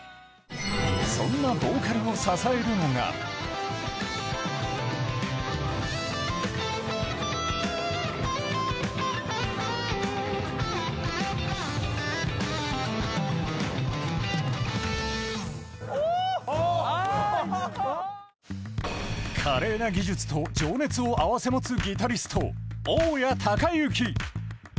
そんなボーカルを支えるのが華麗な技術と情熱を併せ持つギタリスト、大矢孝之。